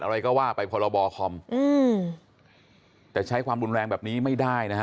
อะไรก็ว่าไปพรบคอมอืมแต่ใช้ความรุนแรงแบบนี้ไม่ได้นะฮะ